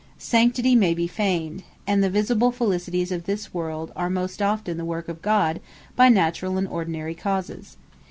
Sanctity may be feigned; and the visible felicities of this world, are most often the work of God by Naturall, and ordinary causes.